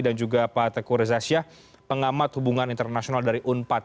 dan juga pak tegur zazyah pengamat hubungan internasional dari unpad